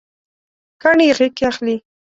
کاڼي یې غیږکې اخلي